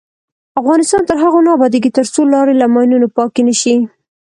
افغانستان تر هغو نه ابادیږي، ترڅو لارې له ماینونو پاکې نشي.